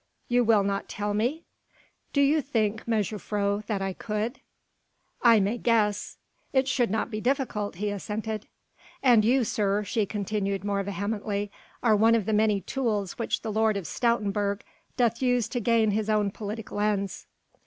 "You will not tell me?" "Do you think, mejuffrouw, that I could?" "I may guess." "It should not be difficult," he assented. "And you, sir," she continued more vehemently, "are one of the many tools which the Lord of Stoutenburg doth use to gain his own political ends."